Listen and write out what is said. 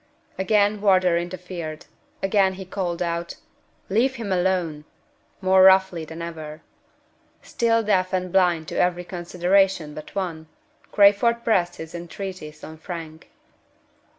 Again Wardour interfered. Again he called out, "Leave him alone!" more roughly than ever. Still deaf and blind to every consideration but one, Crayford pressed his entreaties on Frank.